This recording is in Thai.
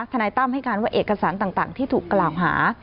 นายตั้มให้การว่าเอกสารต่างที่ถูกกล่าวหา